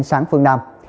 sáng phương nam